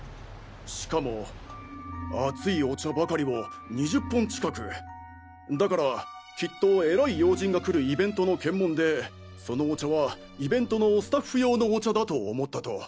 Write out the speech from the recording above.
しかも熱いお茶ばかりを２０本近くだからきっと偉い要人が来るイベントの検問でそのお茶はイベントのスタッフ用のお茶だと思ったと。